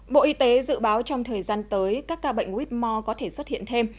bộ y tế dự báo trong thời gian tới các ca bệnh quýt mò có thể xuất hiện thêm